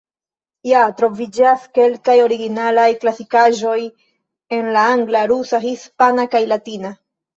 Ja troviĝas kelkaj originalaj klasikaĵoj en la Angla, Rusa, Hispana kaj Latina.